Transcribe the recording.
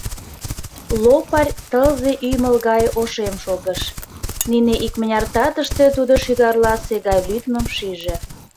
Лопарь тылзе ӱмыл гай ошем шогыш, - нине икмыняр татыште тудо шӱгарласе гай лӱдмым шиже.